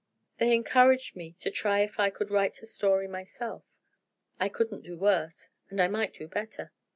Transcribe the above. They encouraged me to try if I could write a story myself; I couldn't do worse, and I might do better.